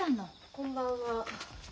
こんばんは。